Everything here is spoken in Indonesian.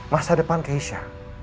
masa depan keisha